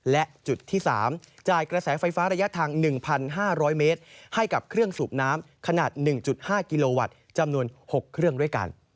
และจุดที่๓จ่ายกระแสไฟฟ้าระยะทาง๑๕๐๐เมตรให้กับเครื่องสูบน้ำขนาด๑๕กิโลวัตต์จำนวน๖เครื่องด้วยกัน